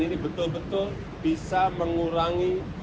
ini betul betul bisa mengurangi